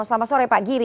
selamat sore pak giri